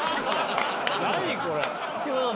何これ？